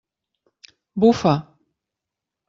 Bufa!